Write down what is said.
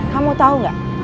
kamu tahu nggak